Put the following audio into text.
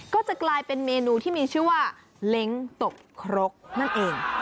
ก็จะกลายเป็นเมนูที่มีชื่อว่าเล้งตกครกนั่นเอง